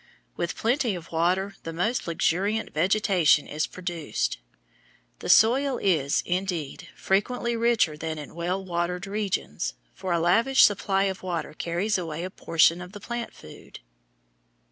With plenty of water the most luxuriant vegetation is produced. The soil is, indeed, frequently richer than in well watered regions, for a lavish supply of water carries away a portion of the plant food.